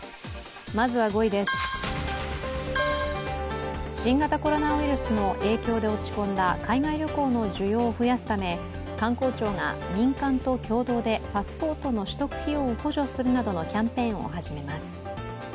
まずは５位です、新型コロナウイルスの影響で落ち込んだ海外旅行の需要を増やすため観光庁が民間と共同でパスポートの取得費用を補助するなどのキャンペーンを始めます。